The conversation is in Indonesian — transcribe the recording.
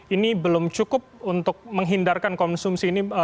ini belum cukup untuk menghindarkan konsumsi ini